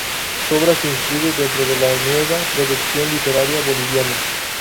Su obra se inscribe dentro de la nueva producción literaria boliviana.